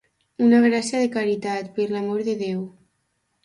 Una gràcia de caritat, per l'amor de Déu.